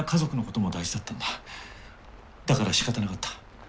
だからしかたなかった。